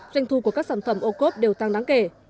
doanh thu của các sản phẩm ô cốp đều tăng đáng kể